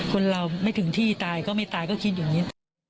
คนเราไม่ถึงที่ตายก็ไม่ตายก็คิดอย่างนี้